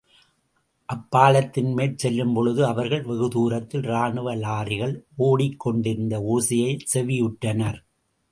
அப்பாலத்தின் மேல் செல்லும் பொழுது அவர்கள் வெகுதூரத்தில் ராணுவ லாரிகள் ஓடிக்கொண்டிருந்த ஓசையைச் செவியுற்றனர்.